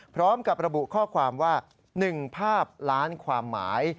พร้อมกับระบุข้อความว่า๑ภาพล้านความหมาย